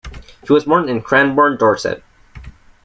He was born in Cranborne, Dorset.